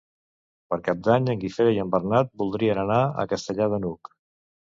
Per Cap d'Any en Guifré i en Bernat voldrien anar a Castellar de n'Hug.